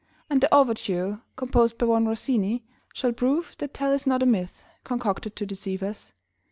And the overture Composed by one Rossini Shall prove that Tell is not a myth Concocted to deceive us.